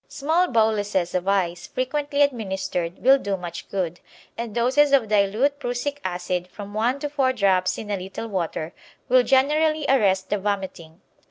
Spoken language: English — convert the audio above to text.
Small boluses of ice frequently administered will do much good, and doses of dilute prussic acid, from one to four drops in a little water, will generally arrest the vomiting.